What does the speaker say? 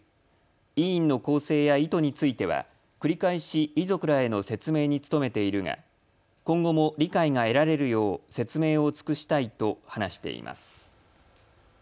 委員の構成や意図については繰り返し遺族らへの説明に努めているが今後も理解が得られるよう説明を尽くしたいと話しています。